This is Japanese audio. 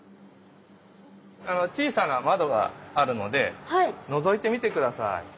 小さな窓があるのでのぞいてみて下さい。